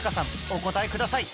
お答えください